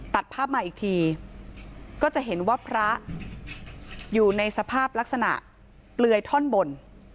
ตัดภาพมาอีกทีก็จะเห็นว่าพระอยู่ในสภาพลักษณะเปลือยท่อนบน